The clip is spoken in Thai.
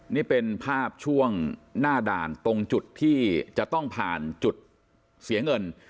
นี่เป็นภาพช่วงหน้าด่านตรงจุดที่จะต้องผ่านจุดเสียเงิน